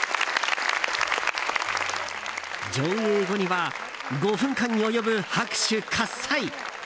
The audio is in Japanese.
上映後には５分間に及ぶ拍手喝采。